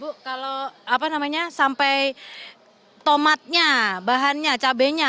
bu kalau apa namanya sampai tomatnya bahannya cabainya